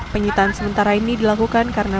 penyitaan sementara ini dilakukan karena bus metro mini